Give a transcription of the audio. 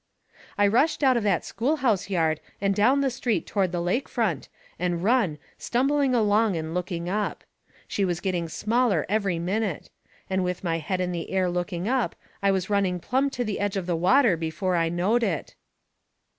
I rushed out of that schoolhouse yard and down the street toward the lake front, and run, stumbling along and looking up. She was getting smaller every minute. And with my head in the air looking up I was running plumb to the edge of the water before I knowed it.